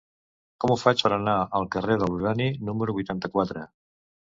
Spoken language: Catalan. Com ho faig per anar al carrer de l'Urani número vuitanta-quatre?